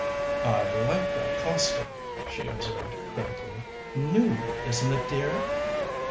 "I like that costume," she observed critically. "New, isn't it, dear?"